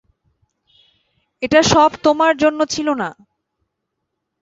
এটা সব তোমার জন্য ছিল না।